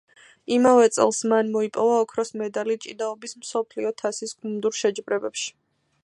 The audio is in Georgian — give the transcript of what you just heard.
იმავე წელს მან მოიპოვა ოქროს მედალი ჭიდაობის მსოფლიო თასის გუნდურ შეჯიბრებაში.